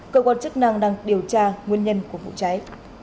cơ quan chức năng đang điều tra nguyên nhân của vụ cháy